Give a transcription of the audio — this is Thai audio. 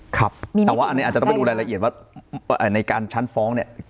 ครับแต่ว่าอันนี้อาจจะต้องไปดูรายละเอียดว่าในการชั้นฟ้องเนี่ย